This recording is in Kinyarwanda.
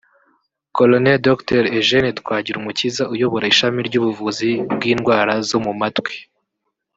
Col Dr Eugene Twagirumukiza uyobora ishami ry’ubuvuzi bw’indwara zo mu matwi